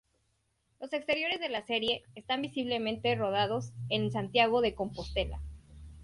Los exteriores de la serie están visiblemente rodados en Santiago de Compostela.